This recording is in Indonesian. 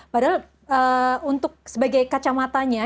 padahal untuk sebagai kacamatanya